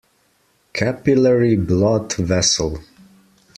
Capillary blood vessel.